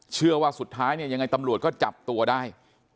เชื่อว่าสุดท้ายเนี่ยยังไงตำรวจก็จับตัวได้